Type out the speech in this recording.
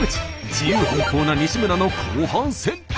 自由奔放な西村の後半戦。